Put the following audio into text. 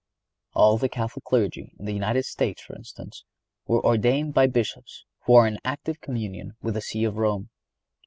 All the Catholic Clergy in the United States, for instance, were ordained only by Bishops who are in active communion with the See of Rome.